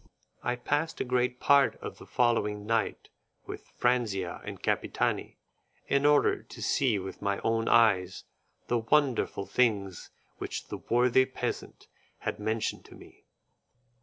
I passed a great part of the following night with Franzia and Capitani in order to see with my own eyes the wonderful things which the worthy peasant had mentioned to me.